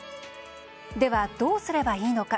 では、どうすればいいのか。